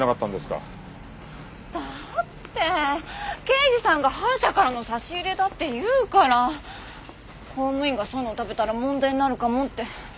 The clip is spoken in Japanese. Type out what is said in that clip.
刑事さんが反社からの差し入れだって言うから公務員がそういうの食べたら問題になるかもって。